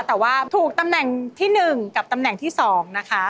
แต่ว่าถูกตำแหน่งที่๑กับตำแหน่งที่๒นะคะ